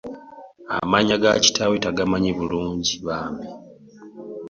Amannya ga kitaawe tagamanyi bulungi bambi.